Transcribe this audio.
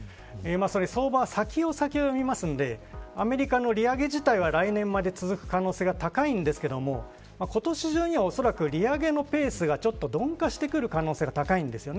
相場は、先を先を読みますのでアメリカの利上げ自体は来年まで続く可能性が高いんですけど今年中にはおそらく、利上げのペースがちょっと鈍化してくる可能性が高いんです。